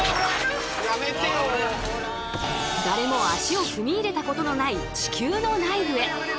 誰も足を踏み入れたことのない地球の内部へ！